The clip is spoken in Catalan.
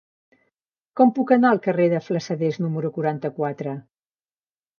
Com puc anar al carrer de Flassaders número quaranta-quatre?